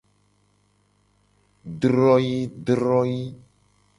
Droyii droyii.